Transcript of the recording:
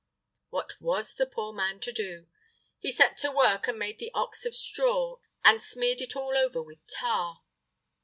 What was the poor man to do? He set to work and made the ox of straw, and smeared it all over with tar.